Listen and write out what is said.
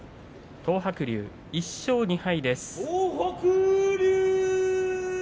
東白龍１勝２敗です。